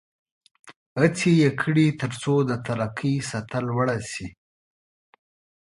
هڅې یې کړې ترڅو د ترقۍ سطحه لوړه شي.